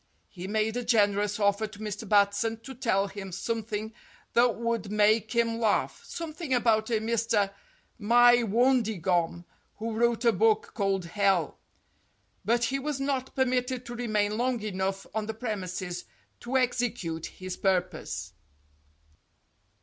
He made a generous offer to Mr. Batson to tell him some thing that would make him laugh, something about a Mr. Mywondigom, who wrote a book called "Hell," but he was not permitted to remain long enough on the premises to execute his purpose.